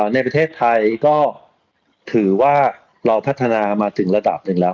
ในประเทศไทยก็ถือว่าเราพัฒนามาถึงระดับหนึ่งแล้ว